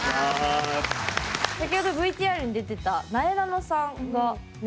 先ほどＶＴＲに出てたなえなのさんがね